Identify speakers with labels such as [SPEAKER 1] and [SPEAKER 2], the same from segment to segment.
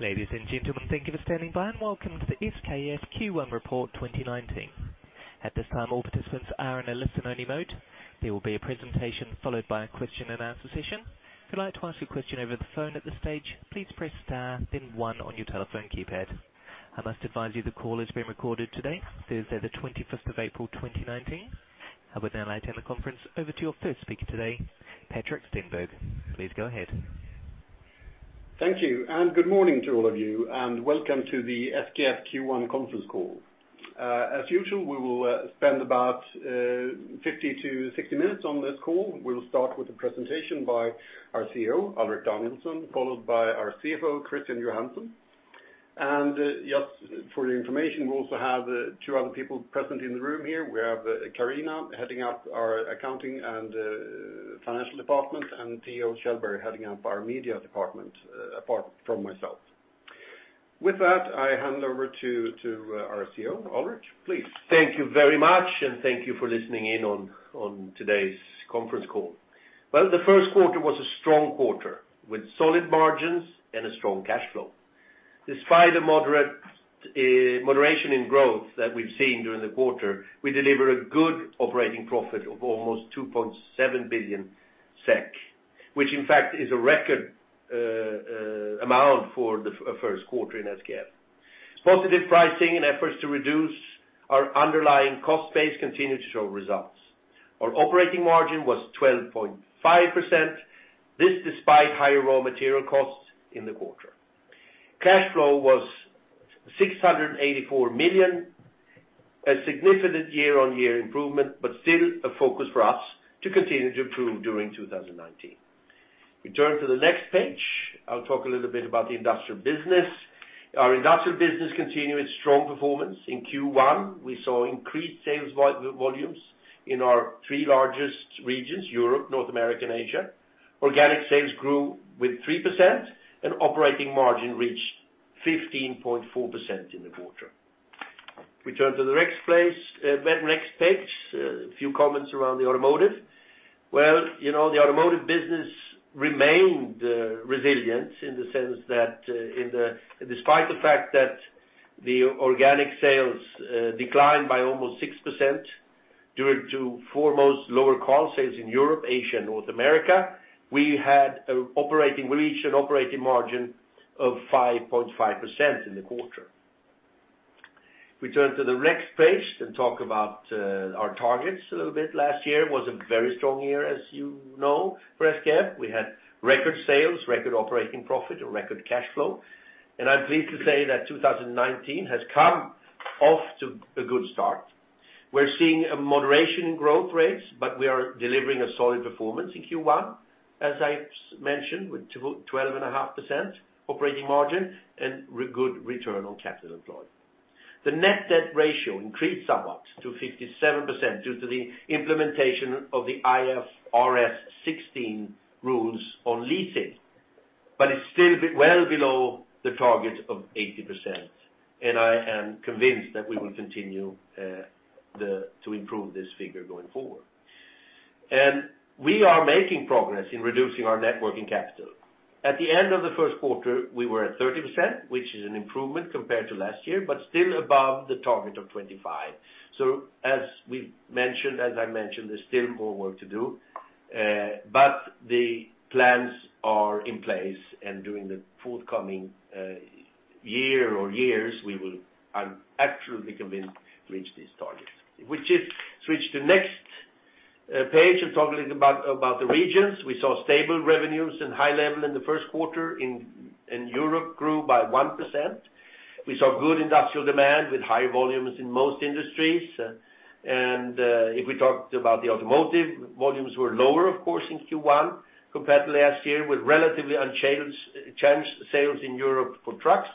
[SPEAKER 1] Ladies and gentlemen, thank you for standing by, and welcome to the SKF Q1 Report 2019. At this time, all participants are in a listen-only mode. There will be a presentation followed by a question and answer session. If you'd like to ask a question over the phone at this stage, please press star then one on your telephone keypad. I must advise you this call is being recorded today, Thursday the 21st of April 2019. I would now hand the conference over to your first speaker today, Patrik Stenberg. Please go ahead.
[SPEAKER 2] Thank you, good morning to all of you, welcome to the SKF Q1 conference call. As usual, we will spend about 50 to 60 minutes on this call. We will start with a presentation by our CEO, Alrik Danielson, followed by our CFO, Christian Johansson. Just for your information, we also have two other people present in the room here. We have Carina, heading up our accounting and financial department, and Theo Kjellberg, heading up our media department, apart from myself. With that, I hand over to our CEO, Alrik, please.
[SPEAKER 3] Thank you very much, thank you for listening in on today's conference call. The first quarter was a strong quarter with solid margins and a strong cash flow. Despite the moderation in growth that we have seen during the quarter, we delivered a good operating profit of almost 2.7 billion SEK, which in fact is a record amount for the first quarter in SKF. Positive pricing and efforts to reduce our underlying cost base continue to show results. Our operating margin was 12.5%. This despite higher raw material costs in the quarter. Cash flow was 684 million, a significant year-on-year improvement, but still a focus for us to continue to improve during 2019. We turn to the next page. I will talk a little bit about the industrial business. Our industrial business continued its strong performance in Q1. We saw increased sales volumes in our three largest regions, Europe, North America, and Asia. Organic sales grew with 3%, operating margin reached 15.4% in the quarter. We turn to the next page. A few comments around the automotive. The automotive business remained resilient in the sense that despite the fact that the organic sales declined by almost 6% due to foremost lower car sales in Europe, Asia, North America, we reached an operating margin of 5.5% in the quarter. We turn to the next page and talk about our targets a little bit. Last year was a very strong year, as you know, for SKF. We had record sales, record operating profit, a record cash flow. I am pleased to say that 2019 has come off to a good start. We're seeing a moderation in growth rates, but we are delivering a solid performance in Q1, as I mentioned, with 12.5% operating margin and good return on capital employed. The net debt ratio increased somewhat to 57% due to the implementation of the IFRS 16 rules on leasing, but it's still well below the target of 80%. I am convinced that we will continue to improve this figure going forward. We are making progress in reducing our net working capital. At the end of the first quarter, we were at 30%, which is an improvement compared to last year, but still above the target of 25%. As I mentioned, there's still more work to do, but the plans are in place, and during the forthcoming year or years, we will, I'm absolutely convinced, reach this target. If we just switch to next page and talk a little about the regions. We saw stable revenues and high level in the first quarter, and Europe grew by 1%. We saw good industrial demand with high volumes in most industries. If we talked about the automotive, volumes were lower, of course, in Q1 compared to last year, with relatively unchanged sales in Europe for trucks,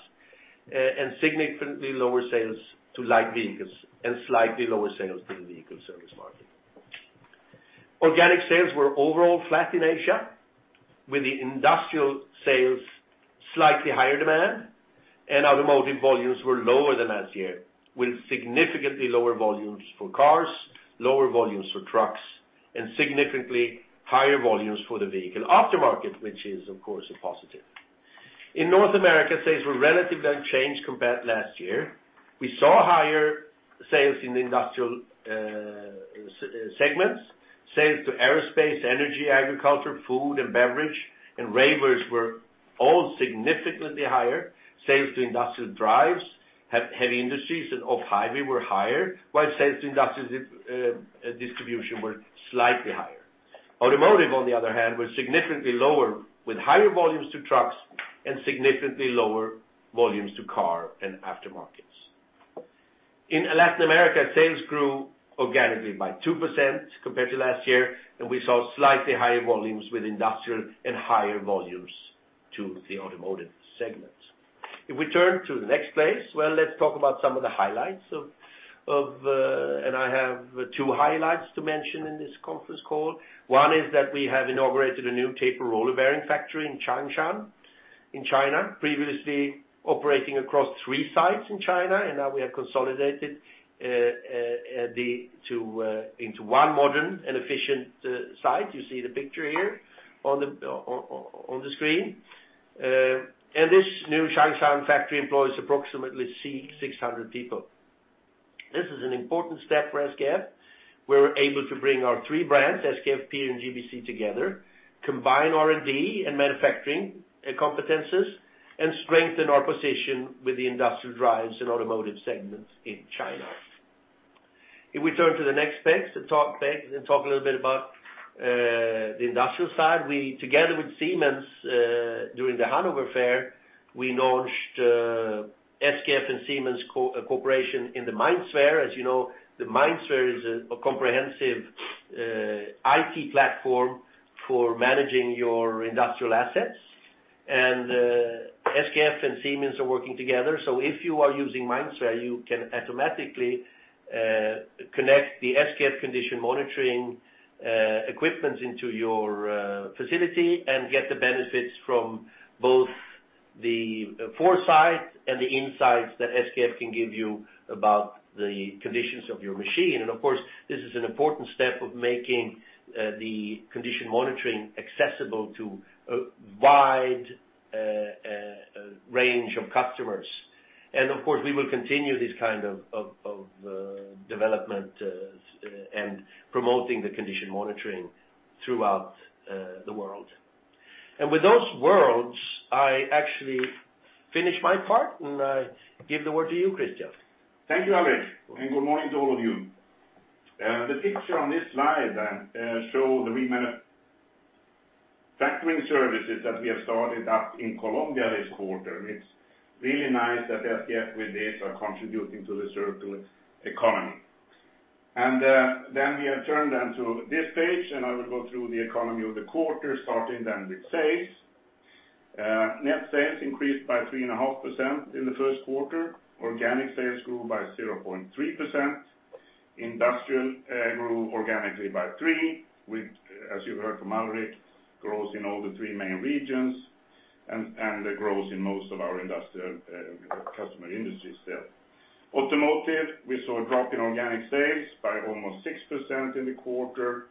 [SPEAKER 3] and significantly lower sales to light vehicles, and slightly lower sales to the vehicle service market. Organic sales were overall flat in Asia, with the industrial sales slightly higher demand, and automotive volumes were lower than last year, with significantly lower volumes for cars, lower volumes for trucks, and significantly higher volumes for the vehicle aftermarket, which is, of course, a positive. In North America, sales were relatively unchanged compared to last year. We saw higher sales in the industrial segments. Sales to aerospace, energy, agriculture, food and beverage, and railways were all significantly higher. Sales to industrial drives, heavy industries, and off-highway were higher, while sales to industrial distribution were slightly higher. Automotive, on the other hand, was significantly lower, with higher volumes to trucks and significantly lower volumes to car and aftermarkets. In Latin America, sales grew organically by 2% compared to last year, and we saw slightly higher volumes with industrial and higher volumes to the automotive segments. If we turn to the next page. Well, let's talk about some of the highlights. I have two highlights to mention in this conference call. One is that we have inaugurated a new tapered roller bearing factory in Changshan in China, previously operating across three sites in China. Now we have consolidated into one modern and efficient site. You see the picture here on the screen. This new Changshan factory employs approximately 600 people. This is an important step for SKF. We're able to bring our three brands, SKF, PEER and GBC together, combine R&D and manufacturing competencies, and strengthen our position with the industrial drives and automotive segments in China. If we turn to the next page, the top page, and talk a little bit about the industrial side. We, together with Siemens, during the Hanover Fair, we launched SKF and Siemens cooperation in the MindSphere. As you know, the MindSphere is a comprehensive IT platform for managing your industrial assets. SKF and Siemens are working together. So if you are using MindSphere, you can automatically connect the SKF condition monitoring equipment into your facility and get the benefits from both the foresight and the insights that SKF can give you about the conditions of your machine. Of course, this is an important step of making the condition monitoring accessible to a wide range of customers. Of course, we will continue this kind of development and promoting the condition monitoring throughout the world. With those words, I actually finish my part, and I give the word to you, Christian.
[SPEAKER 4] Thank you, Alrik, and good morning to all of you. The picture on this slide shows the remanufacturing services that we have started up in Colombia this quarter. It's really nice that SKF, with this, are contributing to the circular economy. Then we have turned then to this page, I will go through the economy of the quarter, starting then with sales. Net sales increased by 3.5% in the first quarter. Organic sales grew by 0.3%. Industrial grew organically by 3%, with, as you heard from Alrik, growth in all the three main regions and a growth in most of our industrial customer industries there. Automotive, we saw a drop in organic sales by almost 6% in the quarter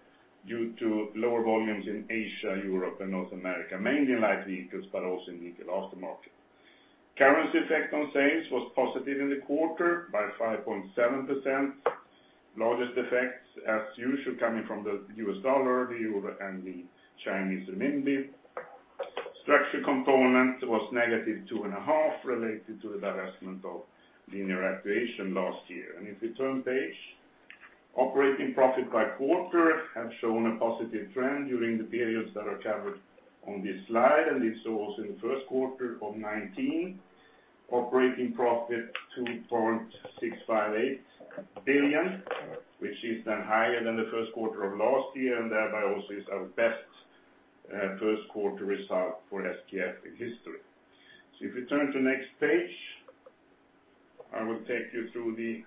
[SPEAKER 4] due to lower volumes in Asia, Europe, and North America, mainly in light vehicles, but also in vehicle aftermarket. Currency effect on sales was positive in the quarter by 5.7%. Largest effects, as usual, coming from the US dollar, the euro, and the Chinese renminbi. Structure component was negative 2.5%, related to the divestment of linear actuation last year. If we turn page. Operating profit by quarter have shown a positive trend during the periods that are covered on this slide, this also in the first quarter of 2019. Operating profit 2.658 billion, which is then higher than the first quarter of last year, thereby also is our best first quarter result for SKF in history. If we turn to next page, I will take you through the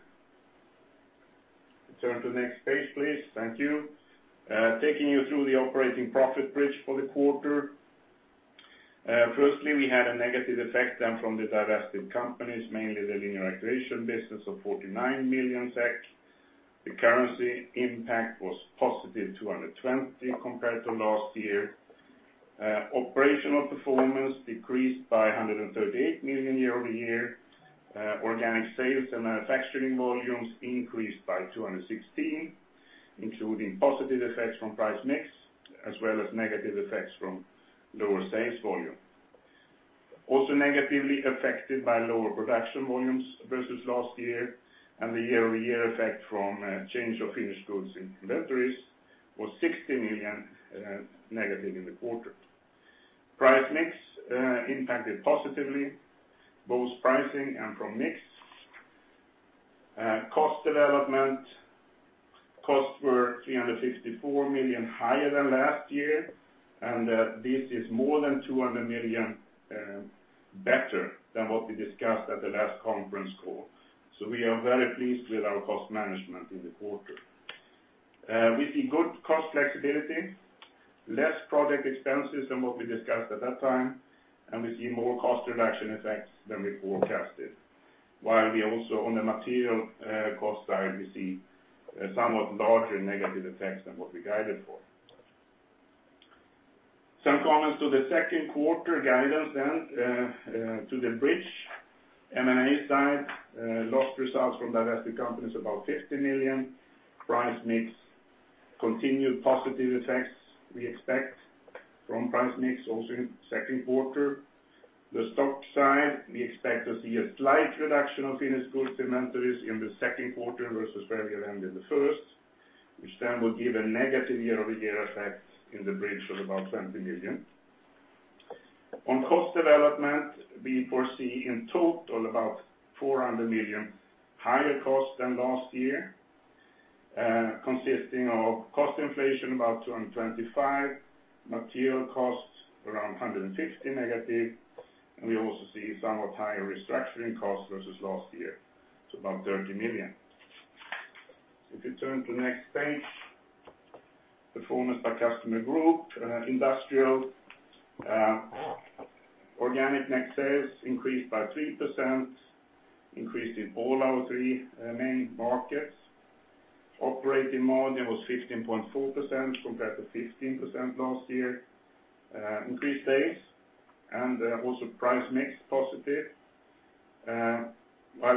[SPEAKER 4] Turn to the next page, please. Thank you. Taking you through the operating profit bridge for the quarter. Firstly, we had a negative effect then from the divested companies, mainly the linear actuation business of 49 million SEK. The currency impact was positive 220 compared to last year. Operational performance decreased by 138 million year-over-year. Organic sales and manufacturing volumes increased by 216, including positive effects from price mix as well as negative effects from lower sales volume. Also negatively affected by lower production volumes versus last year and the year-over-year effect from change of finished goods in inventories was 60 million negative in the quarter. Price mix impacted positively both pricing and from mix. Cost development. Costs were 364 million higher than last year, this is more than 200 million better than what we discussed at the last conference call. We are very pleased with our cost management in the quarter. We see good cost flexibility, less project expenses than what we discussed at that time. We see more cost reduction effects than we forecasted. We also, on the material cost side, see somewhat larger negative effects than what we guided for. Some comments to the second quarter guidance then to the bridge. M&A side, lost results from divested companies, about 50 million. Price mix, continued positive effects we expect from price mix also in second quarter. The stock side, we expect to see a slight reduction of finished goods inventories in the second quarter versus where we ended the first, which then will give a negative year-over-year effect in the bridge of about 20 million. On cost development, we foresee in total about 400 million higher cost than last year, consisting of cost inflation about 225 million, material costs around 150 million negative. We also see somewhat higher restructuring costs versus last year to about 30 million. If you turn to next page. Performance by customer group. Industrial, organic net sales increased by 3%, increased in all our three main markets. Operating margin was 15.4% compared to 15% last year. Increased sales and also price mix positive.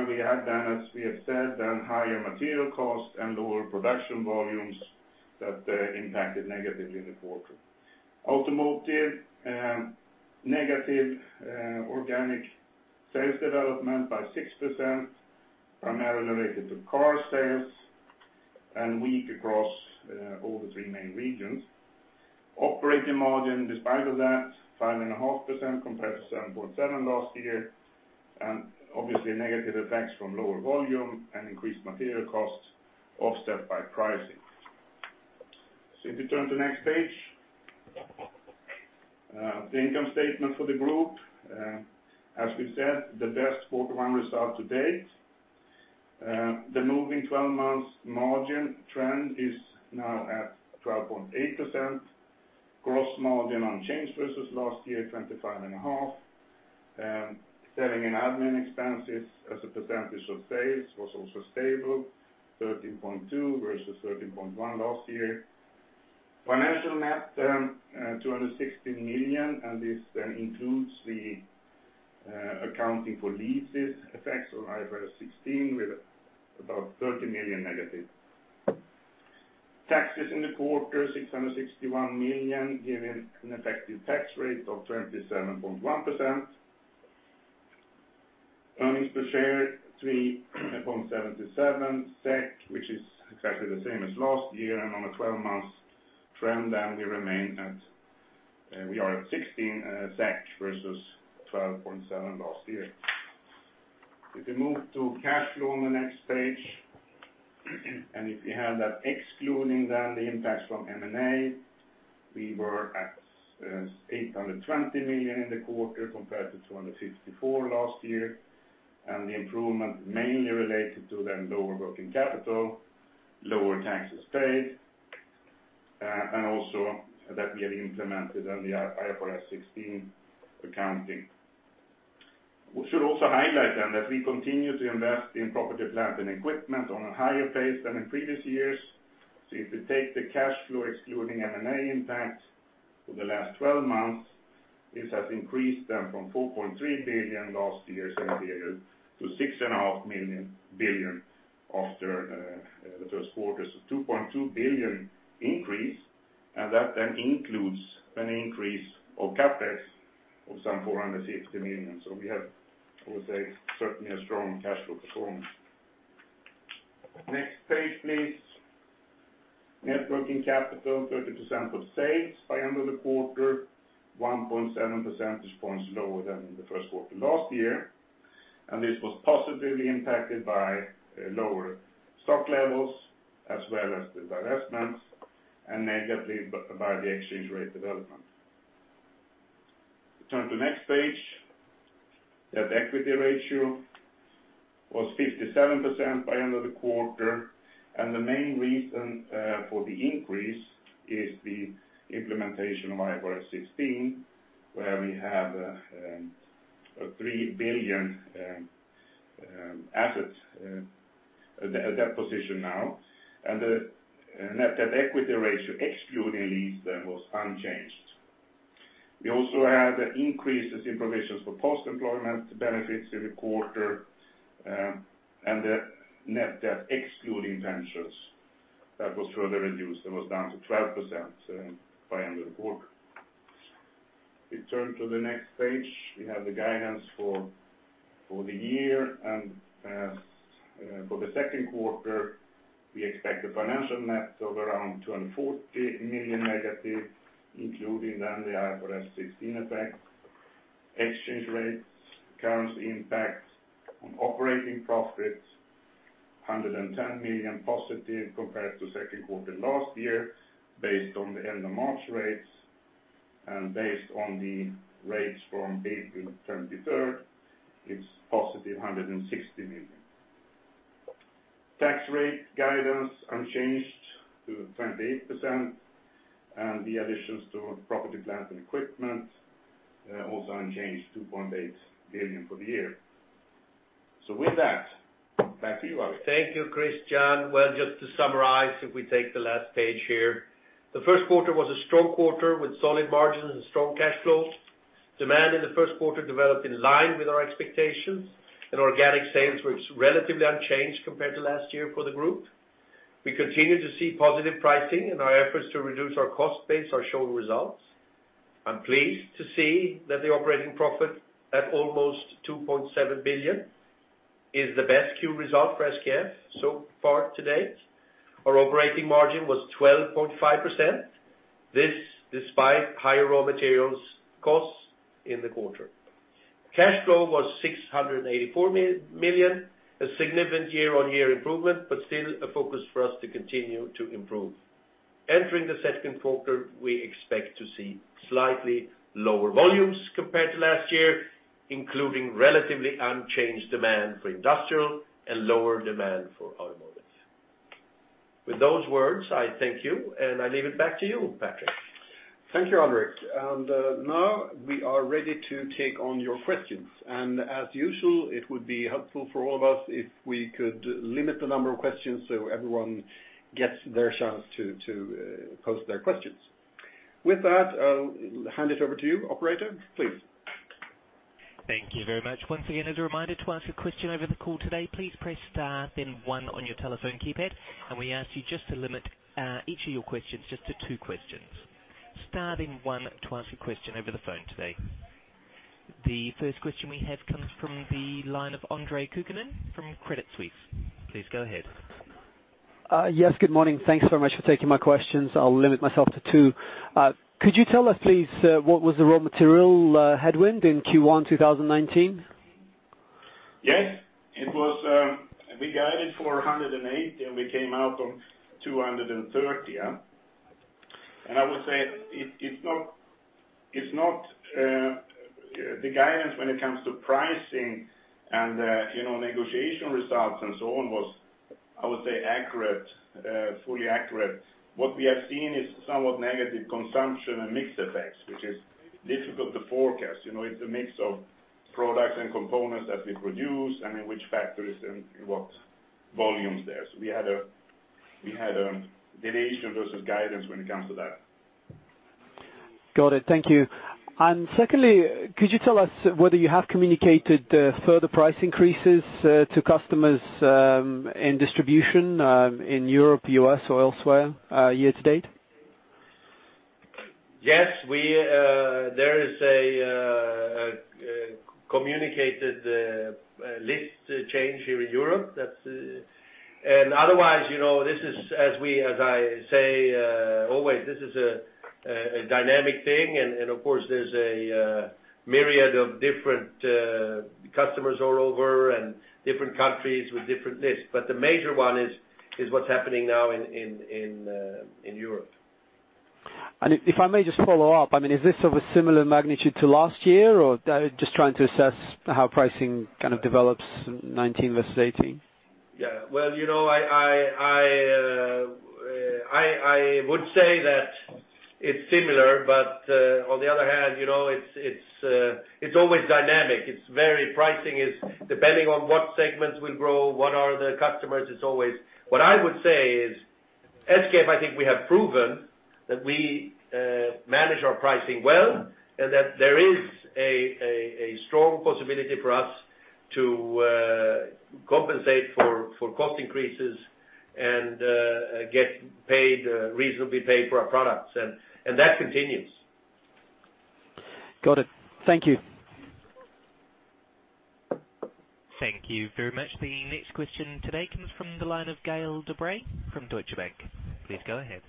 [SPEAKER 4] We had then, as we have said, higher material costs and lower production volumes that impacted negatively in the quarter. Automotive, negative organic sales development by 6%, primarily related to car sales, and weak across all the three main regions. Operating margin, despite of that, 5.5% compared to 7.7% last year. Obviously negative effects from lower volume and increased material costs offset by pricing. If you turn to next page. The income statement for the group, as we've said, the best quarter one result to date. The moving 12 months margin trend is now at 12.8%. Gross margin unchanged versus last year, 25.5%. Selling and admin expenses as a percentage of sales was also stable, 13.2 versus 13.1 last year. Financial net term, 216 million. This then includes the accounting for leases effects of IFRS 16 with about 30 million negative. Taxes in the quarter, 661 million, giving an effective tax rate of 27.1%. Earnings per share 3.77, which is exactly the same as last year. On a 12-month trend then we are at 16 SEK versus 12.7 last year. If we move to cash flow on the next page. If we have that excluding then the impacts from M&A, we were at 820 million in the quarter compared to 254 million last year. The improvement mainly related to then lower net working capital, lower taxes paid, and also that we have implemented then the IFRS 16 accounting. We should also highlight then that we continue to invest in property, plant, and equipment on a higher pace than in previous years. If you take the cash flow excluding M&A impact for the last 12 months, this has increased then from 4.3 billion last year same period, to 6.5 billion after the first quarter. 2.2 billion increase, and that then includes an increase of CapEx of some 460 million. We have, I would say, certainly a strong cash flow performance. Next page, please. Net working capital 30% of sales by end of the quarter, 1.7 percentage points lower than in the first quarter last year. This was positively impacted by lower stock levels as well as the divestments, and negatively by the exchange rate development. If you turn to next page, the equity ratio was 57% by end of the quarter. The main reason for the increase is the implementation of IFRS 16, where we have 3 billion assets at that position now. The net debt equity ratio excluding lease then was unchanged. We also had increases in provisions for post-employment benefits in the quarter, and the net debt excluding pensions, that was further reduced. That was down to 12% by end of the quarter. If we turn to the next page, we have the guidance for the year. For the second quarter, we expect a financial net of around 240 million negative, including then the IFRS 16 effect. Exchange rates, currency impact on operating profit, 110 million positive compared to second quarter last year based on the end of March rates. Based on the rates from April 23rd, it's positive 160 million. Tax rate guidance unchanged to 28%, and the additions to property, plant and equipment also unchanged, 2.8 billion for the year. With that, back to you, Alrik.
[SPEAKER 3] Thank you, Christian. Well, just to summarize, if we take the last page here. The first quarter was a strong quarter with solid margins and strong cash flow. Demand in the first quarter developed in line with our expectations, and organic sales were relatively unchanged compared to last year for the group. We continue to see positive pricing, and our efforts to reduce our cost base are showing results. I'm pleased to see that the operating profit at almost 2.7 billion is the best Q result for SKF so far to date. Our operating margin was 12.5%. This despite higher raw materials costs in the quarter. Cash flow was 684 million, a significant year-on-year improvement, but still a focus for us to continue to improve. Entering the second quarter, we expect to see slightly lower volumes compared to last year, including relatively unchanged demand for industrial and lower demand for automotive. With those words, I thank you, and I leave it back to you, Patrik.
[SPEAKER 2] Thank you, Alrik. Now we are ready to take on your questions. As usual, it would be helpful for all of us if we could limit the number of questions so everyone gets their chance to post their questions. With that, I will hand it over to you, operator, please.
[SPEAKER 1] Thank you very much. Once again, as a reminder, to ask a question over the call today, please press star, then 1 on your telephone keypad. We ask you just to limit each of your questions to 2 questions. Star, then 1 to ask a question over the phone today. The first question we have comes from the line of Andre Kukhnin from Credit Suisse. Please go ahead.
[SPEAKER 5] Yes. Good morning. Thanks very much for taking my questions. I will limit myself to 2. Could you tell us, please, what was the raw material headwind in Q1 2019?
[SPEAKER 4] Yes. We guided for 108, we came out on 230. I would say it's not the guidance when it comes to pricing and negotiation results, and so on was, I would say, fully accurate. What we have seen is somewhat negative consumption and mix effects, which is difficult to forecast. It's a mix of products and components that we produce, in which factories, and what volumes there. We had a deviation versus guidance when it comes to that.
[SPEAKER 5] Got it. Thank you. Secondly, could you tell us whether you have communicated further price increases to customers in distribution in Europe, U.S., or elsewhere year to date?
[SPEAKER 4] Yes. There is a communicated list change here in Europe. Otherwise, as I say always, this is a dynamic thing, and of course, there's a myriad of different customers all over and different countries with different lists. The major one is what's happening now in Europe.
[SPEAKER 5] If I may just follow up, is this of a similar magnitude to last year? Just trying to assess how pricing kind of develops 2019 versus 2018.
[SPEAKER 4] Yeah. I would say that it's similar, on the other hand, it's always dynamic. Pricing is depending on what segments will grow, what are the customers. What I would say is, SKF, I think we have proven that we manage our pricing well, and that there is a strong possibility for us to compensate for cost increases and get reasonably paid for our products. That continues.
[SPEAKER 5] Got it. Thank you.
[SPEAKER 1] Thank you very much. The next question today comes from the line of Gael de-Bray from Deutsche Bank. Please go ahead.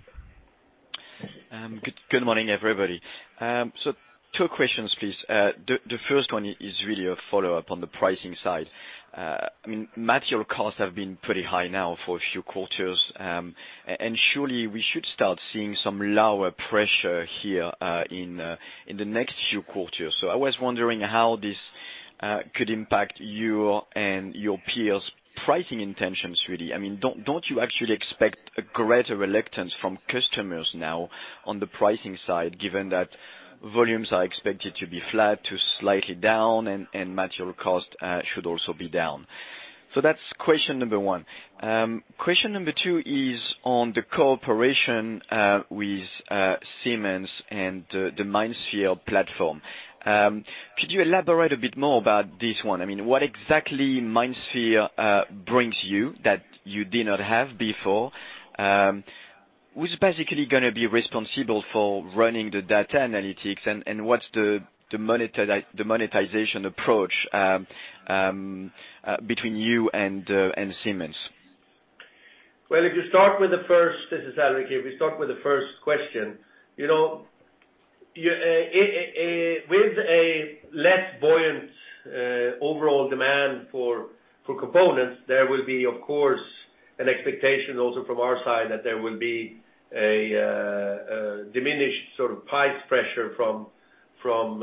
[SPEAKER 6] Good morning, everybody. Two questions, please. The first one is really a follow-up on the pricing side. Material costs have been pretty high now for a few quarters, and surely we should start seeing some lower pressure here in the next few quarters. I was wondering how this could impact you and your peers' pricing intentions, really. Don't you actually expect a greater reluctance from customers now on the pricing side, given that volumes are expected to be flat to slightly down and material cost should also be down? That's question number one. Question number two is on the cooperation with Siemens and the MindSphere platform. Could you elaborate a bit more about this one? What exactly MindSphere brings you that you did not have before? Who's basically going to be responsible for running the data analytics, and what's the monetization approach between you and Siemens?
[SPEAKER 3] This is Alrik. If we start with the first question, with a less buoyant overall demand for components, there will be, of course, an expectation also from our side that there will be a diminished price pressure from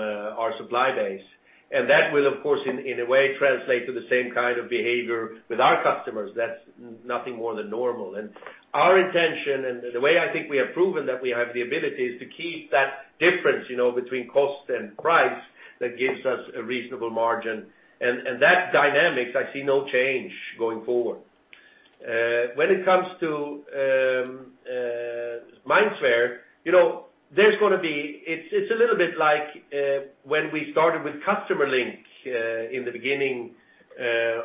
[SPEAKER 3] our supply base. That will, of course, in a way, translate to the same kind of behavior with our customers. That's nothing more than normal. Our intention, and the way I think we have proven that we have the ability, is to keep that difference between cost and price that gives us a reasonable margin. That dynamic, I see no change going forward. When it comes to MindSphere, it's a little bit like when we started with Customer Link in the beginning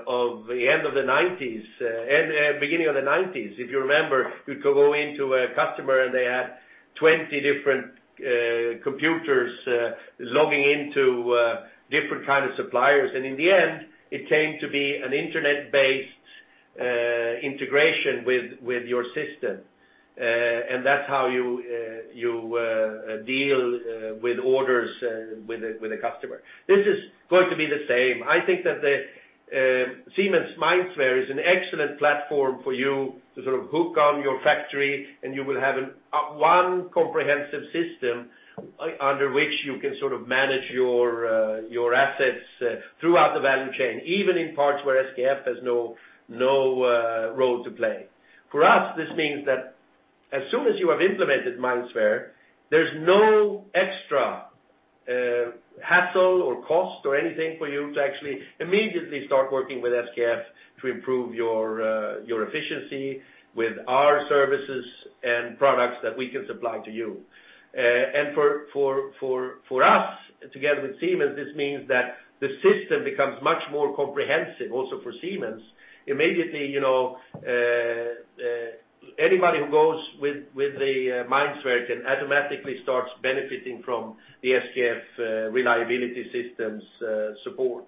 [SPEAKER 3] of the end of the '90s and beginning of the '90s. If you remember, you could go into a customer, they had 20 different computers logging into different kind of suppliers. In the end, it came to be an internet-based integration with your system. That's how you deal with orders with a customer. This is going to be the same. I think that the Siemens MindSphere is an excellent platform for you to sort of hook on your factory, and you will have one comprehensive system under which you can manage your assets throughout the value chain, even in parts where SKF has no role to play. For us, this means that as soon as you have implemented MindSphere, there's no extra hassle or cost or anything for you to actually immediately start working with SKF to improve your efficiency with our services and products that we can supply to you. For us together with Siemens, this means that the system becomes much more comprehensive also for Siemens. Immediately, anybody who goes with the MindSphere can automatically starts benefiting from the SKF reliability systems support.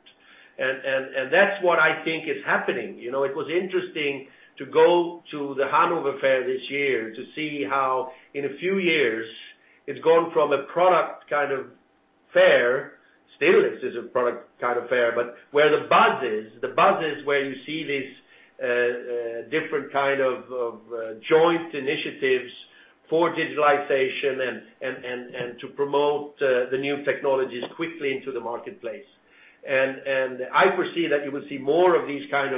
[SPEAKER 3] That's what I think is happening. It was interesting to go to the Hanover Fair this year to see how, in a few years, it's gone from a product kind of fair. Still, it is a product kind of fair, but where the buzz is, the buzz is where you see these different kind of joint initiatives for digitalization and to promote the new technologies quickly into the marketplace. I foresee that you will see more of these kind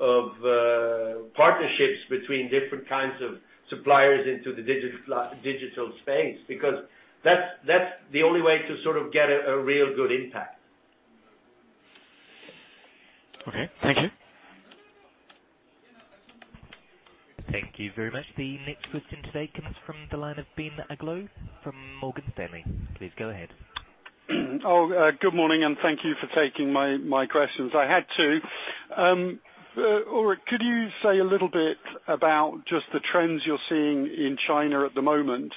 [SPEAKER 3] of partnerships between different kinds of suppliers into the digital space, because that's the only way to sort of get a real good impact.
[SPEAKER 6] Okay. Thank you.
[SPEAKER 1] Thank you very much. The next question today comes from the line of Ben Uglow from Morgan Stanley. Please go ahead.
[SPEAKER 7] Good morning, and thank you for taking my questions. I had 2. Alrik, could you say a little bit about just the trends you're seeing in China at the moment?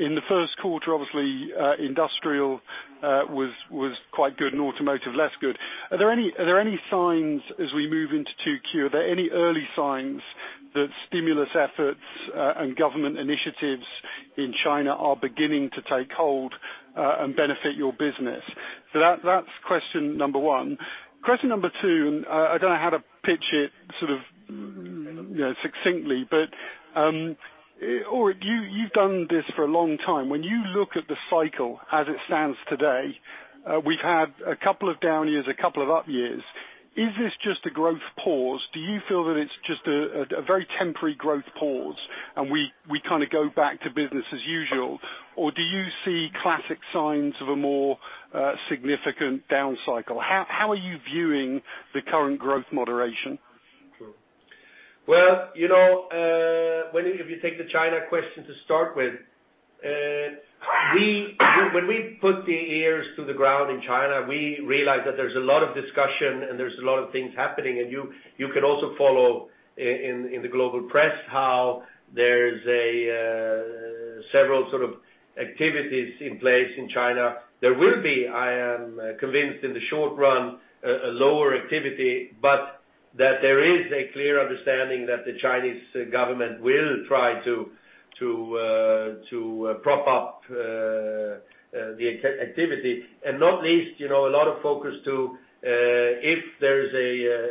[SPEAKER 7] In the first quarter, obviously, industrial was quite good and automotive less good. Are there any signs as we move into 2Q, are there any early signs that stimulus efforts and government initiatives in China are beginning to take hold, and benefit your business? That's question number 1. Question number 2. I don't know how to pitch it sort of succinctly. Alrik, you've done this for a long time. When you look at the cycle as it stands today, we've had a couple of down years, a couple of up years. Is this just a growth pause? Do you feel that it's just a very temporary growth pause, we kind of go back to business as usual? Do you see classic signs of a more significant down cycle? How are you viewing the current growth moderation?
[SPEAKER 3] Well, if you take the China question to start with. When we put the ears to the ground in China, we realize that there's a lot of discussion and there's a lot of things happening. You can also follow in the global press how there's several sort of activities in place in China. There will be, I am convinced in the short run, a lower activity, but that there is a clear understanding that the Chinese government will try to prop up the activity. Not least, a lot of focus to if there's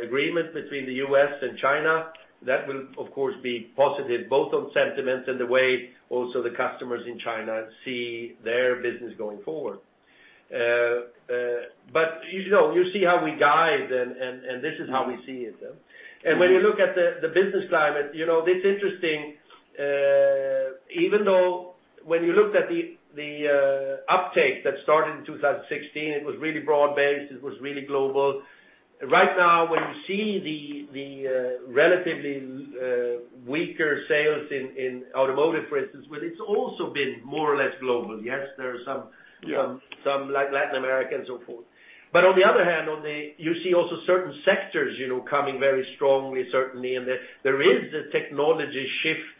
[SPEAKER 3] an agreement between the U.S. and China, that will, of course, be positive both on sentiment and the way also the customers in China see their business going forward. You see how we guide and this is how we see it. When you look at the business climate, it's interesting, even though when you looked at the uptake that started in 2016, it was really broad-based, it was really global. Right now, when you see the relatively weaker sales in automotive, for instance, but it's also been more or less global. Yes, there are some-
[SPEAKER 7] Yeah
[SPEAKER 3] some like Latin America and so forth. On the other hand, you see also certain sectors coming very strongly, certainly. There is a technology shift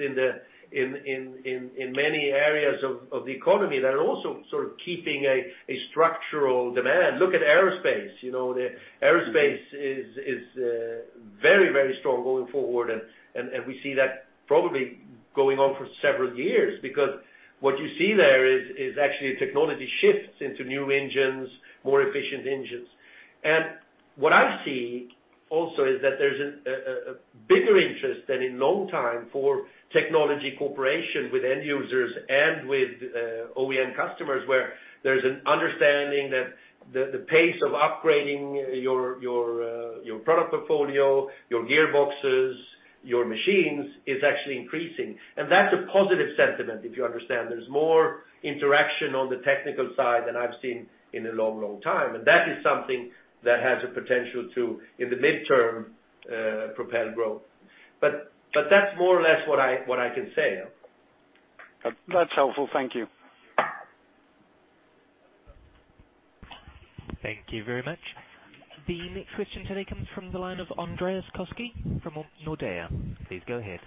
[SPEAKER 3] in many areas of the economy that are also sort of keeping a structural demand. Look at aerospace. The aerospace is very strong going forward, and we see that probably going on for several years because what you see there is actually a technology shifts into new engines, more efficient engines. What I see also is that there's a bigger interest than in long time for technology cooperation with end users and with OEM customers, where there's an understanding that the pace of upgrading your product portfolio, your gearboxes, your machines, is actually increasing. That's a positive sentiment if you understand. There's more interaction on the technical side than I've seen in a long time. That is something that has a potential to, in the midterm, propel growth. That's more or less what I can say.
[SPEAKER 7] That's helpful. Thank you.
[SPEAKER 1] Thank you very much. The next question today comes from the line of Andreas Koski from Nordea. Please go ahead.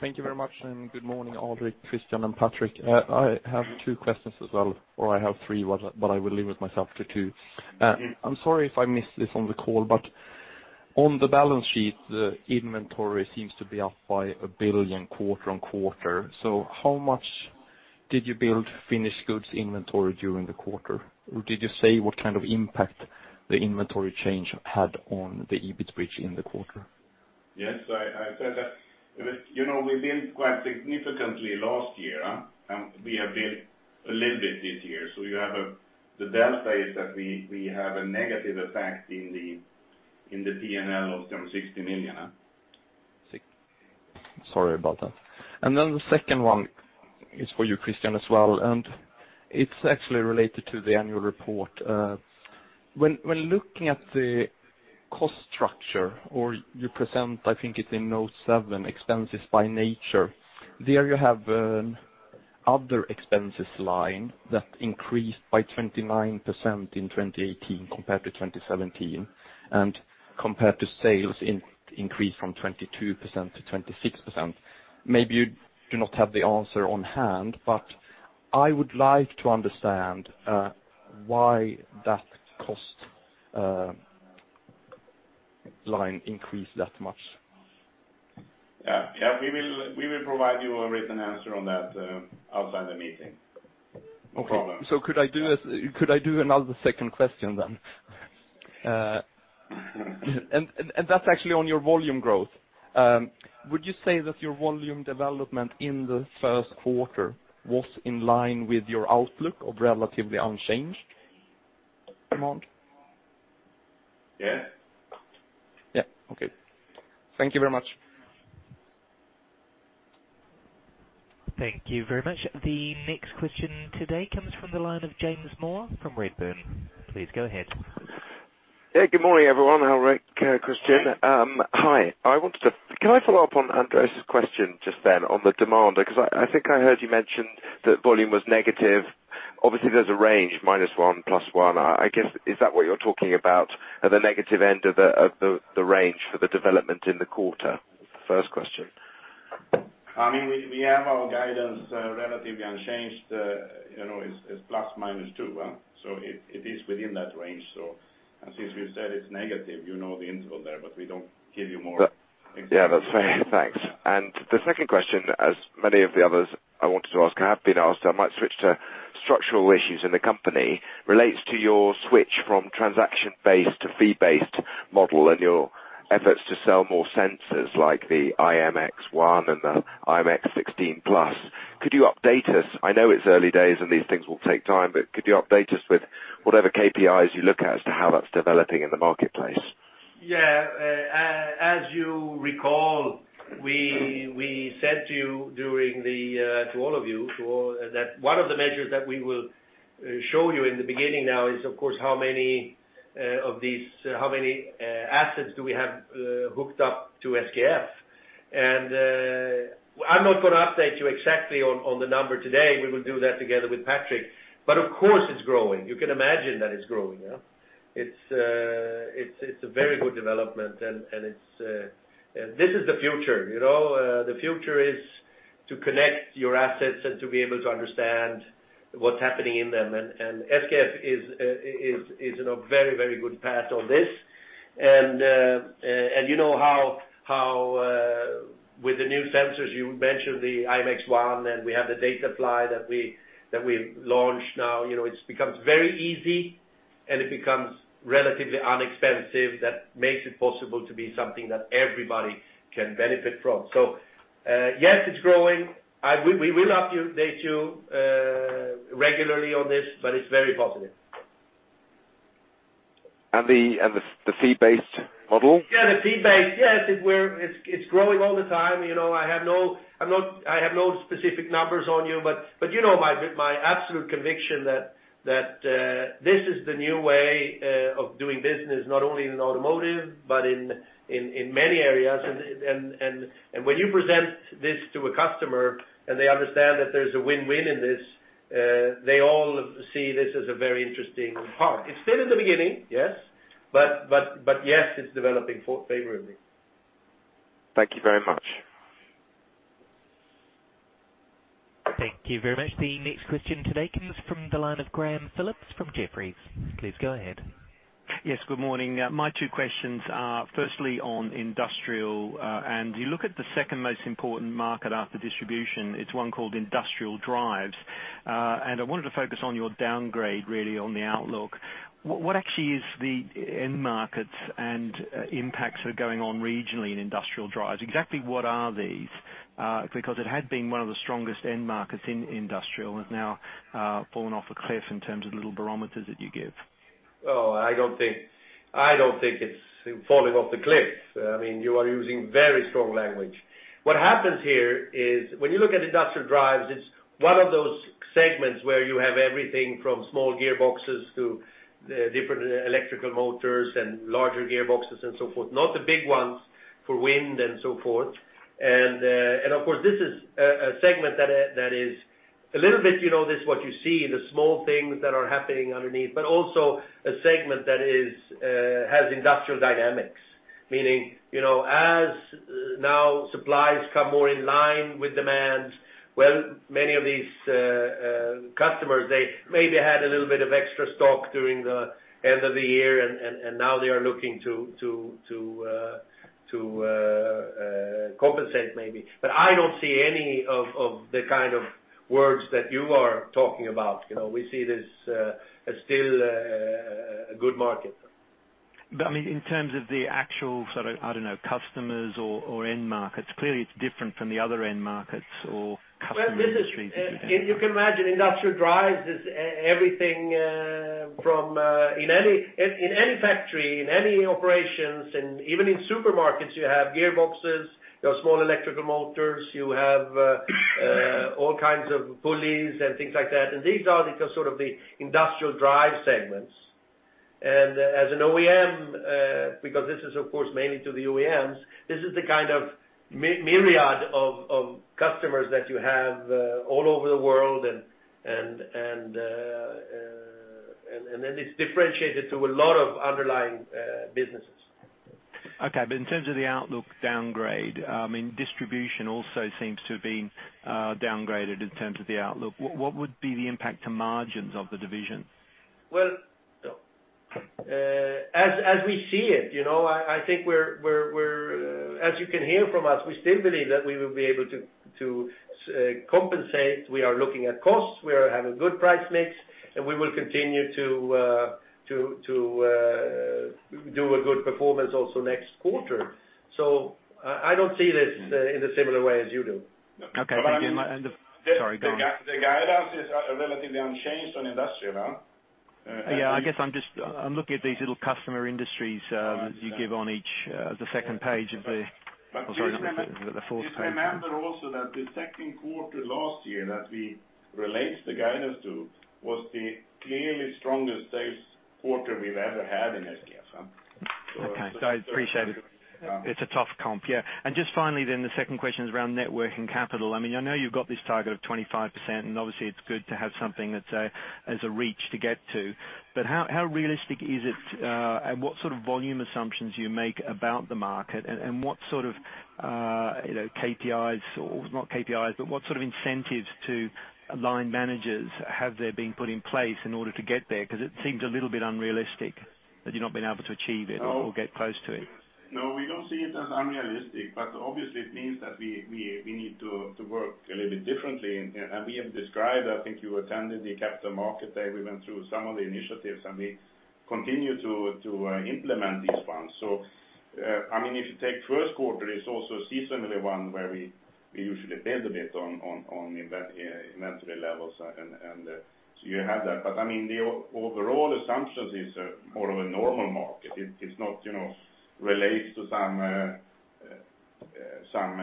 [SPEAKER 8] Thank you very much. Good morning, Alrik, Christian, and Patrik. I have two questions as well. I have three, but I will limit myself to two. I'm sorry if I missed this on the call, but on the balance sheet, the inventory seems to be up by 1 billion quarter-on-quarter. How much did you build finished goods inventory during the quarter? Did you say what kind of impact the inventory change had on the EBIT bridge in the quarter?
[SPEAKER 4] Yes, I said that. We built quite significantly last year. We have built a little bit this year. You have the delta is that we have a negative effect in the P&L of some 60 million.
[SPEAKER 8] Sorry about that. Then the second one is for you, Christian, as well. It's actually related to the annual report. When looking at the cost structure or you present, I think it's in note seven, expenses by nature. There you have other expenses line that increased by 29% in 2018 compared to 2017. Compared to sales, increased from 22% to 26%. Maybe you do not have the answer on hand, but I would like to understand why that cost line increased that much.
[SPEAKER 4] Yeah. We will provide you a written answer on that outside the meeting. No problem.
[SPEAKER 8] Okay. Could I do another second question then? That's actually on your volume growth. Would you say that your volume development in the first quarter was in line with your outlook of relatively unchanged amount?
[SPEAKER 4] Yes.
[SPEAKER 8] Yeah. Okay. Thank you very much.
[SPEAKER 1] Thank you very much. The next question today comes from the line of James Moore from Redburn. Please go ahead.
[SPEAKER 9] Good morning, everyone. Alrik, Christian. Hi. Can I follow up on Andreas's question just then on the demand? I think I heard you mention that volume was negative. Obviously, there's a range, -1, +1. I guess, is that what you're talking about at the negative end of the range for the development in the quarter? First question.
[SPEAKER 3] We have our guidance relatively unchanged, it's ±2. It is within that range. Since you said it's negative, you know the interval there, we don't give you more information.
[SPEAKER 9] Yeah, that's fair. Thanks. The second question, as many of the others I wanted to ask have been asked, I might switch to structural issues in the company, relates to your switch from transaction-based to fee-based model and your efforts to sell more sensors like the IMx-1 and the IMx-16 Plus. Could you update us? I know it's early days and these things will take time, could you update us with whatever KPIs you look at as to how that's developing in the marketplace?
[SPEAKER 3] Yeah. As you recall, we said to all of you that one of the measures that we will show you in the beginning now is, of course, how many assets do we have hooked up to SKF. I'm not going to update you exactly on the number today. We will do that together with Patrik. Of course, it's growing. You can imagine that it's growing. It's a very good development and this is the future. The future is to connect your assets and to be able to understand what's happening in them, and SKF is in a very good path on this. You know how with the new sensors, you mentioned the IMx-1, and we have the DataPly that we've launched now. It's become very easy, and it becomes relatively unexpensive. That makes it possible to be something that everybody can benefit from. Yes, it's growing. We will update you regularly on this, but it's very positive.
[SPEAKER 9] The fee-based model?
[SPEAKER 3] Yeah, the fee-based. Yeah, it's growing all the time. I have no specific numbers on you, but you know my absolute conviction that this is the new way of doing business, not only in automotive, but in many areas. When you present this to a customer and they understand that there's a win-win in this, they all see this as a very interesting part. It's still in the beginning, yes. Yes, it's developing favorably.
[SPEAKER 9] Thank you very much.
[SPEAKER 1] Thank you very much. The next question today comes from the line of Graham Phillips from Jefferies. Please go ahead.
[SPEAKER 10] Yes, good morning. My two questions are firstly on industrial. You look at the second most important market after distribution, it's one called industrial drives. I wanted to focus on your downgrade, really, on the outlook. What actually is the end markets and impacts that are going on regionally in industrial drives? Exactly what are these? Because it had been one of the strongest end markets in industrial, it's now fallen off a cliff in terms of the little barometers that you give.
[SPEAKER 3] Oh, I don't think it's falling off the cliff. You are using very strong language. What happens here is when you look at industrial drives, it's one of those segments where you have everything from small gearboxes to different electrical motors and larger gearboxes and so forth, not the big ones for wind and so forth. Of course, this is a segment that is a little bit, this is what you see, the small things that are happening underneath, but also a segment that has industrial dynamics. Meaning, as now supplies come more in line with demands, well, many of these customers, they maybe had a little bit of extra stock during the end of the year, and now they are looking to compensate maybe. I don't see any of the kind of words that you are talking about. We see it as still a good market.
[SPEAKER 10] In terms of the actual, sort of, I don't know, customers or end markets. Clearly, it's different from the other end markets or customer industries that you have.
[SPEAKER 3] In any factory, in any operations, even in supermarkets, you have gearboxes, you have small electrical motors, you have all kinds of pulleys and things like that, these are the sort of the industrial drives segments. As an OEM, because this is, of course, mainly to the OEMs, this is the kind of myriad of customers that you have all over the world, then it's differentiated to a lot of underlying businesses.
[SPEAKER 10] Okay. In terms of the outlook downgrade, distribution also seems to have been downgraded in terms of the outlook. What would be the impact to margins of the division?
[SPEAKER 3] Well, as we see it, I think as you can hear from us, we still believe that we will be able to compensate. We are looking at costs. We are having good price mix, we will continue to do a good performance also next quarter. I don't see this in the similar way as you do.
[SPEAKER 10] Okay. Sorry, go on.
[SPEAKER 4] The guidance is relatively unchanged on industrial.
[SPEAKER 10] Yeah, I guess I'm looking at these little customer industries that you give on the second page of the fourth page.
[SPEAKER 4] Just remember also that the second quarter last year that we relate the guidance to was the clearly strongest sales quarter we've ever had in SKF.
[SPEAKER 10] Okay. I appreciate it. It's a tough comp, yeah. Just finally then, the second question is around net working capital. I know you've got this target of 25%, and obviously it's good to have something that's a reach to get to. How realistic is it, and what sort of volume assumptions do you make about the market, and what sort of KPIs, or not KPIs, but what sort of incentives to line managers have there been put in place in order to get there? Because it seems a little bit unrealistic that you've not been able to achieve it or get close to it.
[SPEAKER 4] No, we don't see it as unrealistic, but obviously it means that we need to work a little bit differently. We have described, I think you attended the Capital Market Day, we went through some of the initiatives, and we continue to implement these ones. If you take first quarter, it's also seasonally one where we usually build a bit on inventory levels, and so you have that. The overall assumption is more of a normal market. It's not related to some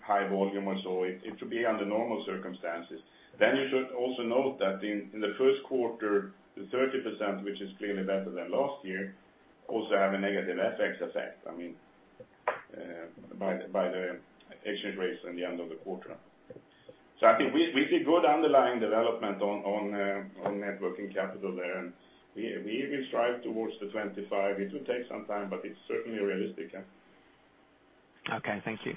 [SPEAKER 4] high volume or so. It should be under normal circumstances. You should also note that in the first quarter, the 30%, which is clearly better than last year, also have a negative FX effect by the exchange rates in the end of the quarter. I think we see good underlying development on net working capital there, and we will strive towards the 25. It will take some time, but it's certainly realistic.
[SPEAKER 10] Okay, thank you.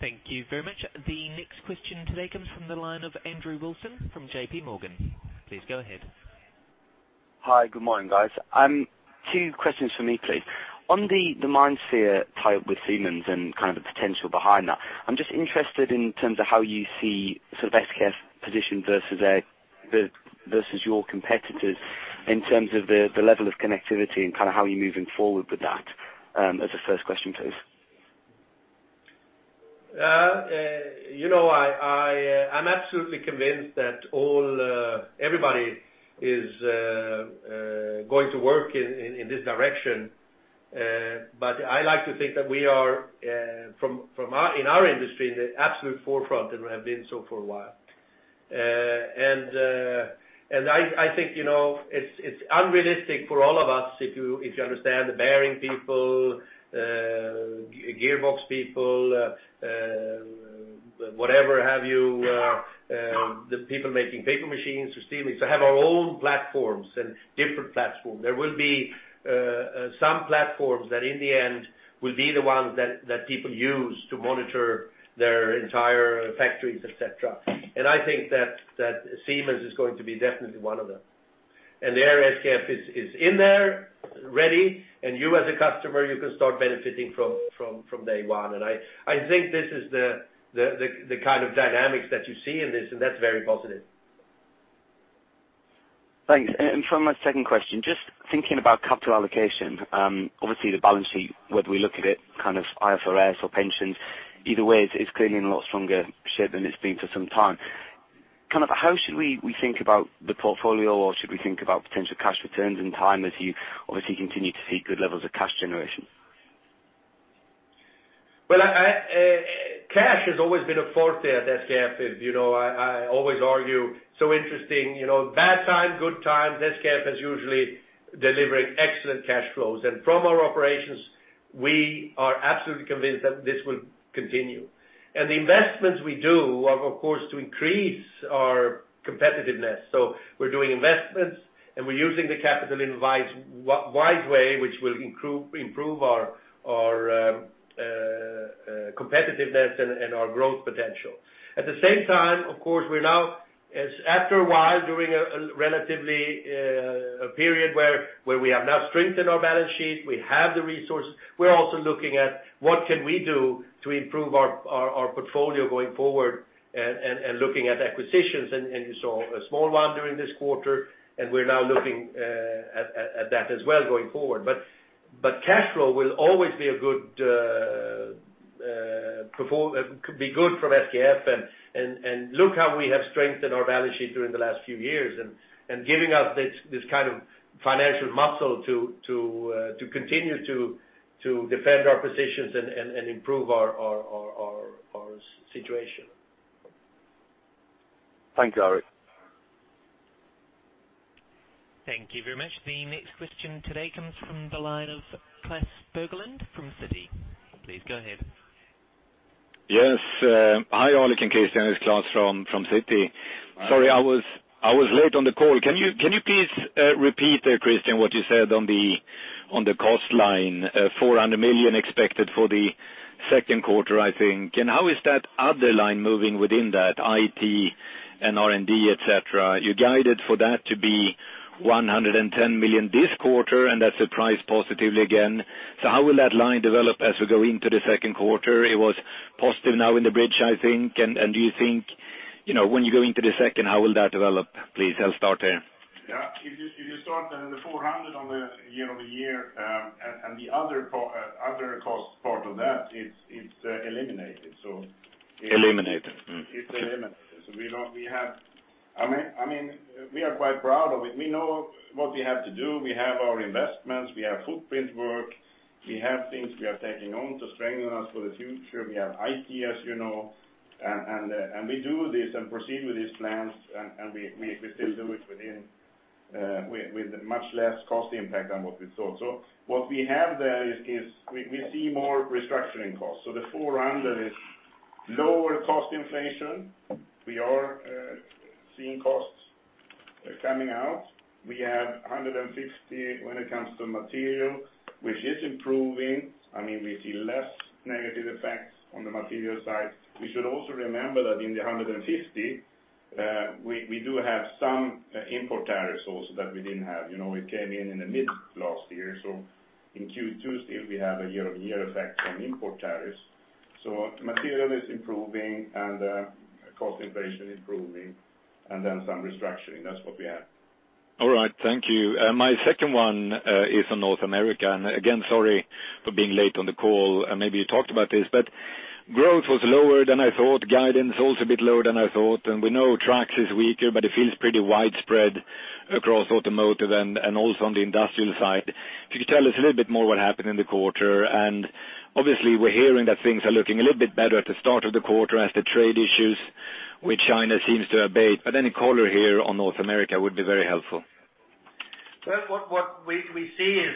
[SPEAKER 1] Thank you very much. The next question today comes from the line of Andrew Wilson from J.P. Morgan. Please go ahead.
[SPEAKER 11] Hi. Good morning, guys. Two questions from me, please. On the MindSphere tie-up with Siemens and kind of the potential behind that, I'm just interested in terms of how you see SKF's position versus your competitors in terms of the level of connectivity and how you're moving forward with that as a first question, please.
[SPEAKER 3] I'm absolutely convinced that everybody is going to work in this direction. I like to think that we are, in our industry, in the absolute forefront, and we have been so for a while. I think it's unrealistic for all of us, if you understand the bearing people, gearbox people, whatever have you, the people making paper machines or steel rings, to have our own platforms and different platforms. There will be some platforms that in the end will be the ones that people use to monitor their entire factories, et cetera. I think that Siemens is going to be definitely one of them. There SKF is in there ready, and you as a customer, you can start benefiting from day one. I think this is the kind of dynamics that you see in this, and that's very positive.
[SPEAKER 11] Thanks. For my second question, just thinking about capital allocation, obviously the balance sheet, whether we look at it IFRS or pensions, either way, it's clearly in a lot stronger shape than it's been for some time. How should we think about the portfolio, or should we think about potential cash returns in time as you obviously continue to see good levels of cash generation?
[SPEAKER 3] Well, cash has always been a forte at SKF. I always argue, so interesting, bad times, good times, SKF is usually delivering excellent cash flows. From our operations, we are absolutely convinced that this will continue. The investments we do are, of course, to increase our competitiveness. We're doing investments, and we're using the capital in a wide way, which will improve our competitiveness and our growth potential. At the same time, of course, after a while, during a relatively a period where we have now strengthened our balance sheet, we have the resources, we're also looking at what can we do to improve our portfolio going forward and looking at acquisitions, and you saw a small one during this quarter, and we're now looking at that as well going forward. Cash flow will always be a good could be good for SKF, and look how we have strengthened our balance sheet during the last few years, and giving us this kind of financial muscle to continue to defend our positions and improve our situation.
[SPEAKER 12] Thank you, Alrik.
[SPEAKER 1] Thank you very much. The next question today comes from the line of Klas Bergelind from Citi. Please go ahead.
[SPEAKER 12] Yes. Hi, Alrik and Christian. It's Klas from Citi.
[SPEAKER 4] Hi.
[SPEAKER 12] Sorry, I was late on the call. Can you please repeat there, Christian, what you said on the cost line? 400 million expected for the second quarter, I think. How is that other line moving within that IT and R&D, et cetera? You guided for that to be 110 million this quarter, and that surprised positively again. How will that line develop as we go into the second quarter? It was positive now in the bridge, I think. Do you think, when you go into the second, how will that develop? Please, I'll start there.
[SPEAKER 4] Yeah. If you start then in the 400 on the year-over-year, and the other cost part of that, it's eliminated.
[SPEAKER 12] Eliminated?
[SPEAKER 4] It's eliminated. We are quite proud of it. We know what we have to do. We have our investments, we have footprint work, we have things we are taking on to strengthen us for the future. We have IT, as you know, and we do this and proceed with these plans, and we still do it with much less cost impact than what we thought. What we have there is, we see more restructuring costs. The 400 is lower cost inflation. We are seeing costs coming out. We have 150 when it comes to material, which is improving. We see less negative effects on the material side. We should also remember that in the 150, we do have some import tariffs also that we didn't have. It came in in the mid last year. In Q2 still, we have a year-over-year effect from import tariffs. Material is improving and cost inflation improving, and then some restructuring. That's what we have.
[SPEAKER 12] Thank you. My second one is on North America. Again, sorry for being late on the call, maybe you talked about this, growth was lower than I thought. Guidance also a bit lower than I thought. We know trucks is weaker, it feels pretty widespread across automotive and also on the industrial side. If you could tell us a little bit more what happened in the quarter, obviously we're hearing that things are looking a little bit better at the start of the quarter as the trade issues with China seems to abate, any color here on North America would be very helpful.
[SPEAKER 3] What we see is,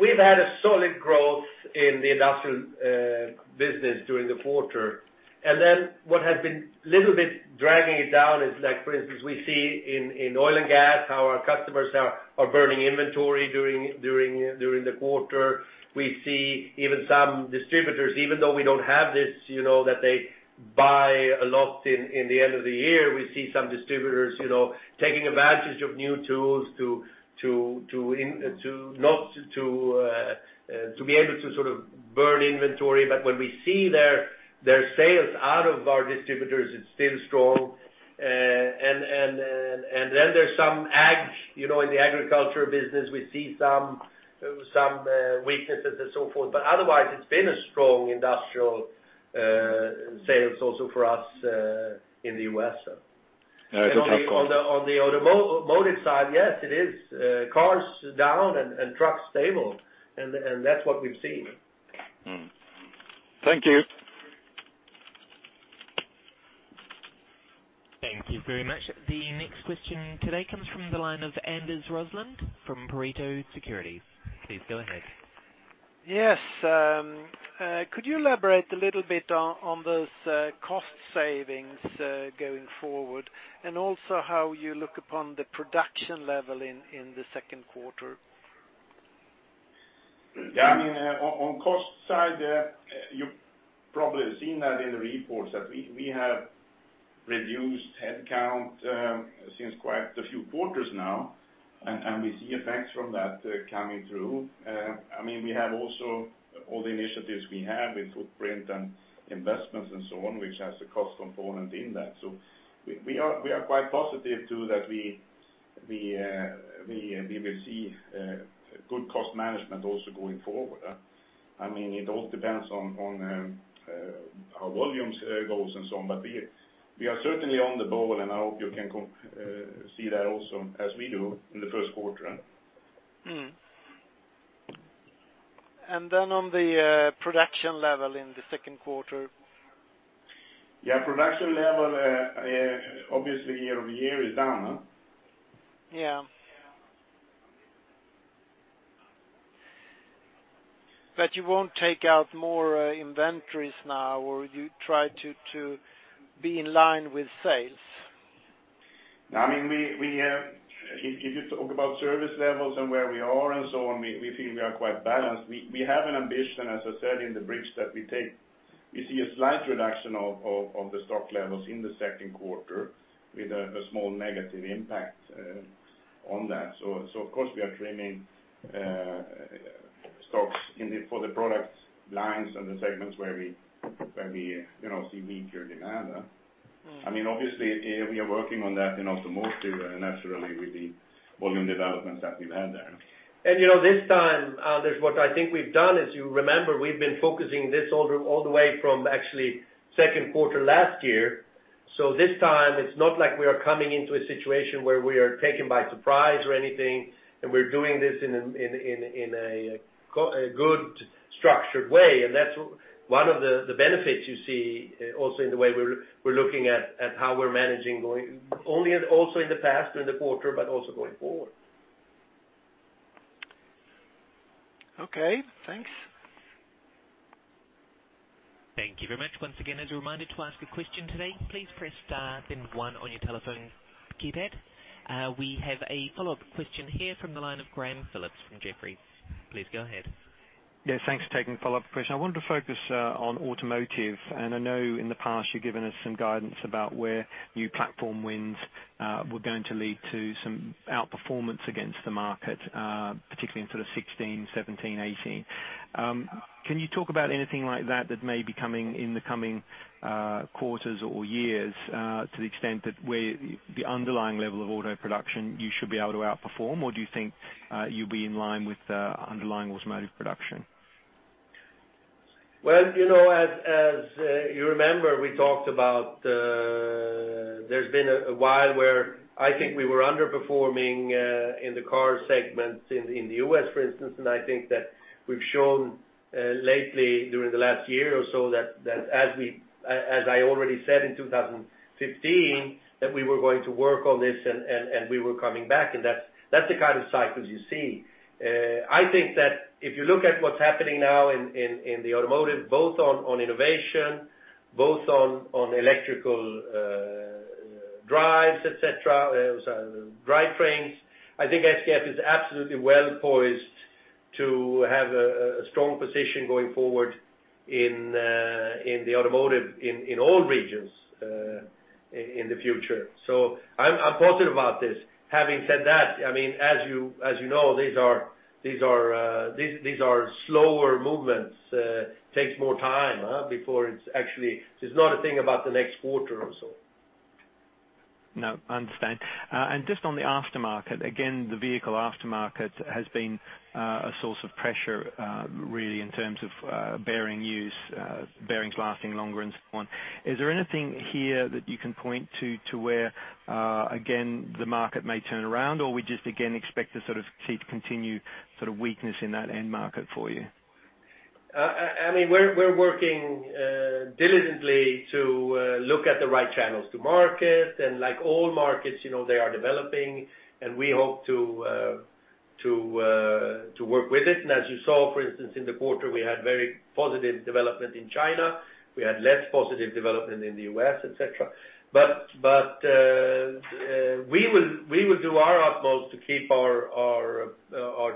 [SPEAKER 3] we've had a solid growth in the industrial business during the quarter, what has been a little bit dragging it down is like, for instance, we see in oil and gas, how our customers are burning inventory during the quarter. We see even some distributors, even though we don't have this, that they buy a lot in the end of the year. We see some distributors taking advantage of new tools to be able to sort of burn inventory. When we see their sales out of our distributors, it's still strong. There's some ag, in the agriculture business, we see some weaknesses and so forth, otherwise it's been a strong industrial sales also for us in the U.S.
[SPEAKER 12] It's a tough one.
[SPEAKER 3] On the automotive side, yes, it is. Cars down, trucks stable, that's what we've seen.
[SPEAKER 12] Thank you.
[SPEAKER 1] Thank you very much. The next question today comes from the line of Anders Roslund from Pareto Securities. Please go ahead.
[SPEAKER 13] Yes. Could you elaborate a little bit on those cost savings going forward, and also how you look upon the production level in the second quarter?
[SPEAKER 4] Yeah. On cost side, you've probably seen that in the reports that we have reduced headcount since quite a few quarters now, and we see effects from that coming through. We have also all the initiatives we have with footprint and investments and so on, which has a cost component in that. We are quite positive too that we will see good cost management also going forward. It all depends on how volumes goes and so on, but we are certainly on the ball, and I hope you can see that also as we do in the first quarter.
[SPEAKER 13] On the production level in the second quarter?
[SPEAKER 4] Yeah. Production level obviously year-over-year is down.
[SPEAKER 13] Yeah. You won't take out more inventories now, or you try to be in line with sales?
[SPEAKER 4] If you talk about service levels and where we are and so on, we feel we are quite balanced. We have an ambition, as I said in the bridge, that we see a slight reduction of the stock levels in the second quarter with a small negative impact on that. Of course we are trimming stocks for the product lines and the segments where we see weaker demand. I mean, obviously, we are working on that in automotive, and naturally with the volume developments that we've had there.
[SPEAKER 3] This time, Anders, what I think we've done is, you remember we've been focusing this all the way from actually second quarter last year. This time, it's not like we are coming into a situation where we are taken by surprise or anything, we're doing this in a good structured way. That's one of the benefits you see also in the way we're looking at how we're managing going only also in the past, during the quarter, but also going forward.
[SPEAKER 13] Okay, thanks.
[SPEAKER 1] Thank you very much. Once again, as a reminder, to ask a question today, please press star then one on your telephone keypad. We have a follow-up question here from the line of Graham Phillips from Jefferies. Please go ahead.
[SPEAKER 10] Thanks for taking the follow-up question. I wanted to focus on automotive. I know in the past you've given us some guidance about where new platform wins were going to lead to some outperformance against the market, particularly in sort of 2016, 2017, 2018. Can you talk about anything like that that may be coming in the coming quarters or years, to the extent that where the underlying level of auto production you should be able to outperform? Do you think you'll be in line with underlying automotive production?
[SPEAKER 3] Well, as you remember, we talked about there's been a while where I think we were underperforming in the car segment in the U.S., for instance. I think that we've shown lately, during the last year or so, that as I already said in 2015, that we were going to work on this and we were coming back, and that's the kind of cycles you see. I think that if you look at what's happening now in the automotive, both on innovation, both on electrical drivetrains, etcetera, I think SKF is absolutely well-poised to have a strong position going forward in the automotive in all regions in the future. I'm positive about this. Having said that, as you know, these are slower movements. Takes more time, before it's actually. This is not a thing about the next quarter or so.
[SPEAKER 10] No, I understand. Just on the aftermarket, again, the vehicle aftermarket has been a source of pressure, really in terms of bearing use, bearings lasting longer and so on. Is there anything here that you can point to where, again, the market may turn around? We just again, expect to sort of see continued sort of weakness in that end market for you?
[SPEAKER 3] We're working diligently to look at the right channels to market. Like all markets, they are developing, and we hope to work with it. As you saw, for instance, in the quarter, we had very positive development in China. We had less positive development in the U.S., etcetera. We will do our utmost to keep our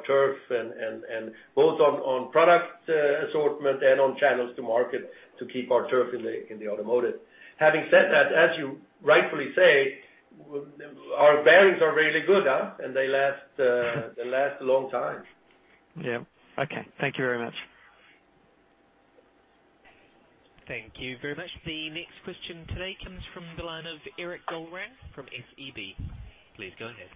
[SPEAKER 3] turf, both on product assortment and on channels to market, to keep our turf in the automotive. Having said that, as you rightfully say, our bearings are really good, and they last a long time.
[SPEAKER 10] Yeah. Okay. Thank you very much.
[SPEAKER 1] Thank you very much. The next question today comes from the line of Erik Golrang from SEB. Please go ahead.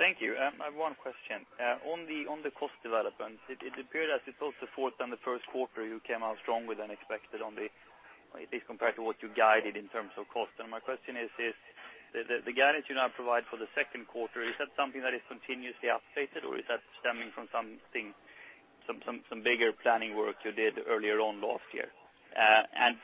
[SPEAKER 14] Thank you. I have one question. On the cost development, it appeared that it is also fourth and the first quarter you came out stronger than expected on the at least compared to what you guided in terms of cost. My question is, the guidance you now provide for the second quarter, is that something that is continuously updated or is that stemming from some bigger planning work you did earlier on last year?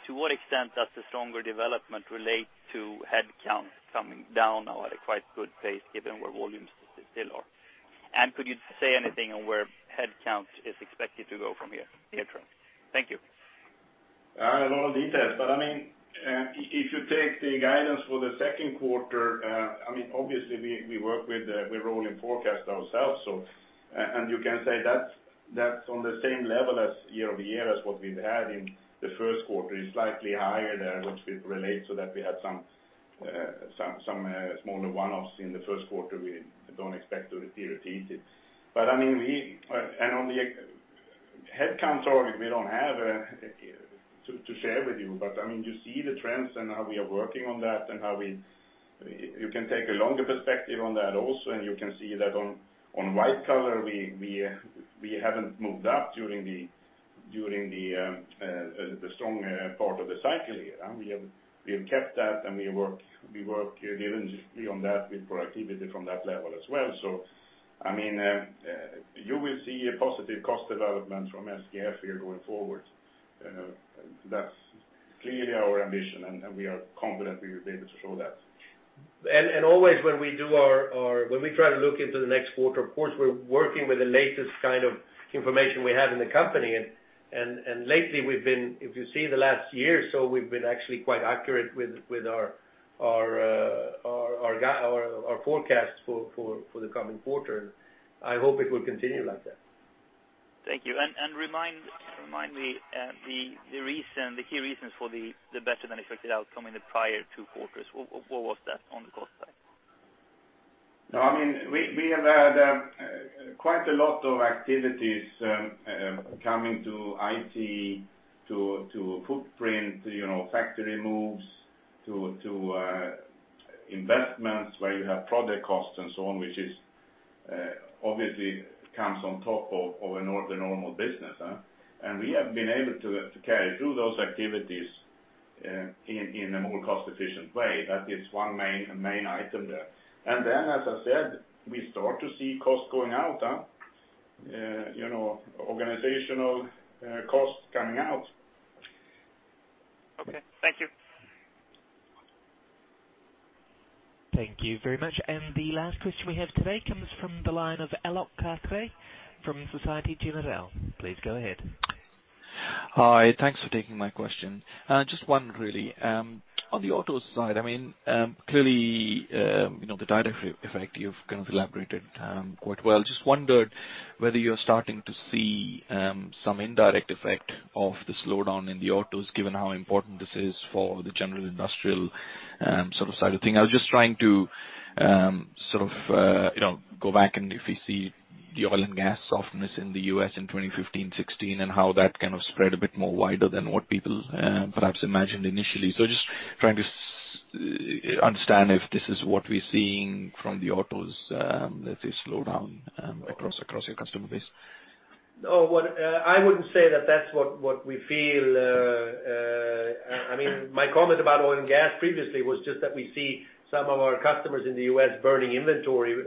[SPEAKER 14] To what extent does the stronger development relate to headcount coming down now at a quite good pace given where volumes still are? Could you say anything on where headcount is expected to go from here? Thank you.
[SPEAKER 4] A lot of details, but if you take the guidance for the second quarter, obviously we work with, we are rolling forecast ourselves. You can say that is on the same level as year-over-year as what we have had in the first quarter. It is slightly higher there, which we relate so that we had some smaller one-offs in the first quarter we do not expect to repeat it. On the headcount target, we do not have to share with you, but you see the trends and how we are working on that. You can take a longer perspective on that also. You can see that on white collar, we have not moved up during the strong part of the cycle here. We have kept that, and we work diligently on that with productivity from that level as well. You will see a positive cost development from SKF here going forward. That is clearly our ambition, and we are confident we will be able to show that.
[SPEAKER 3] Always when we try to look into the next quarter, of course, we're working with the latest kind of information we have in the company. Lately we've been, if you see the last year or so, we've been actually quite accurate with our forecasts for the coming quarter. I hope it will continue like that.
[SPEAKER 14] Thank you. Remind me, the key reasons for the better than expected outcome in the prior two quarters, what was that on the cost side?
[SPEAKER 4] No, we have had quite a lot of activities coming to IT, to footprint, factory moves, to investments where you have project costs and so on, which obviously comes on top of the normal business. We have been able to carry through those activities in a more cost-efficient way. That is one main item there. As I said, we start to see costs going out. Organizational costs coming out.
[SPEAKER 1] Okay. Thank you. Thank you very much. The last question we have today comes from the line of Alok Katre from Societe Generale. Please go ahead.
[SPEAKER 15] Hi. Thanks for taking my question. Just one really. On the autos side, clearly, the direct effect, you've kind of elaborated quite well. Just wondered whether you're starting to see some indirect effect of the slowdown in the autos, given how important this is for the general industrial side of things. I was just trying to go back and if you see the oil and gas softness in the U.S. in 2015, 2016, and how that spread a bit more wider than what people perhaps imagined initially. Just trying to understand if this is what we're seeing from the autos, that is slowed down across your customer base.
[SPEAKER 3] No. I wouldn't say that that's what we feel. My comment about oil and gas previously was just that we see some of our customers in the U.S. burning inventory.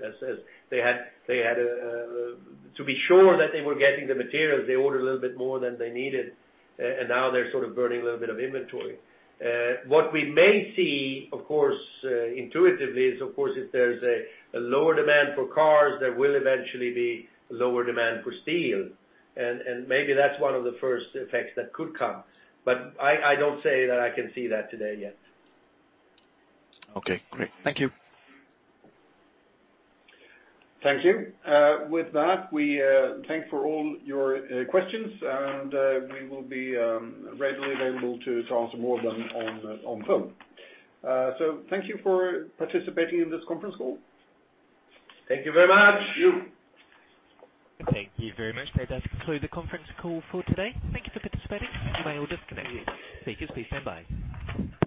[SPEAKER 3] To be sure that they were getting the materials, they ordered a little bit more than they needed, and now they're burning a little bit of inventory. What we may see, of course, intuitively is, if there's a lower demand for cars, there will eventually be lower demand for steel. Maybe that's one of the first effects that could come. I don't say that I can see that today yet.
[SPEAKER 15] Okay, great. Thank you.
[SPEAKER 2] Thank you. With that, we thank for all your questions, and we will be readily available to answer more of them on phone. Thank you for participating in this conference call.
[SPEAKER 4] Thank you very much.
[SPEAKER 1] Thank you very much. That does conclude the conference call for today. Thank you for participating. You may all disconnect. Speakers, please stand by.